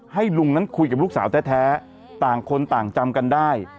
ให้ลุงนั้นคุยกับลูกสาวแท้ต่างคนต่างจำกันได้